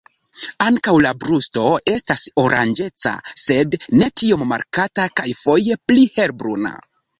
Ankaŭ la brusto estas oranĝeca, sed ne tiom markata kaj foje pli helbruna.